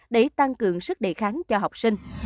để tăng cường sức đề kháng cho học sinh